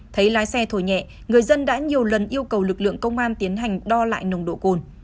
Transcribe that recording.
thấy lái xe thổi nhẹ người dân đã nhiều lần yêu cầu lực lượng công an tiến hành đo lại nồng độ cồn